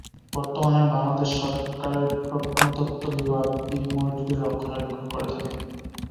বর্তমানে বাংলাদেশ সরকারের প্রত্নতত্ত্ব বিভাগ এই মসজিদের রক্ষণাবেক্ষণ করে থাকে।